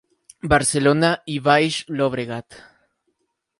Barcelona y Baix Llobregat.